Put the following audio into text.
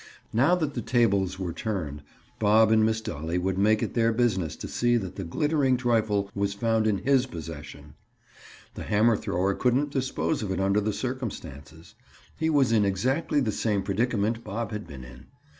Now that the tables were turned, Bob and Miss Dolly would make it their business to see that the glittering trifle was found in his possession. The hammer thrower couldn't dispose of it under the circumstances; he was in exactly the same predicament Bob had been in.